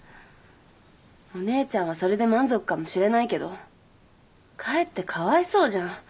お姉ちゃんはそれで満足かもしれないけどかえってかわいそうじゃん。